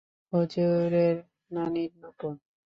হুজুরের নানীর নূপুর।